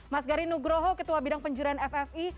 mas gari nugroho ketua bidang penjurian ffi